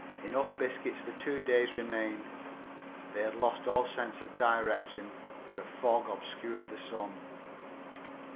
Enough biscuits for two days remained. They had lost all sense of direction, for a fog obscured the sun.